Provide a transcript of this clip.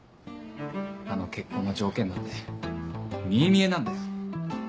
あの結婚の条件だって見え見えなんだよ。